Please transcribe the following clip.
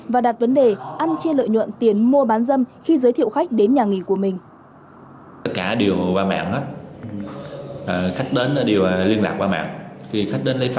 và đặt vấn đề ăn chia lợi nhuận tiền mua bán dâm khi giới thiệu khách đến nhà nghỉ của mình